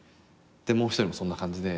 もう一人もそんな感じで。